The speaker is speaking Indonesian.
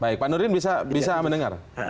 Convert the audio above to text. baik pak nurdin bisa mendengar